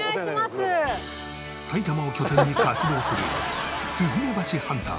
埼玉を拠点に活動するスズメバチハンター